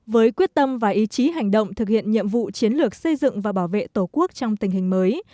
với quyết tâm và ý chí hành động thực hiện nhiệm vụ chiến lược xây dựng và bảo vệ tổ quốc trong tình hình mới